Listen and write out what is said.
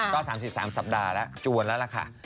ก็สามสิบสามสัปดาห์แล้วจวนแล้วล่ะค่ะ